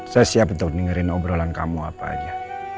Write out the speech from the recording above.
saya siap untuk dengerin obrolan kamu apa aja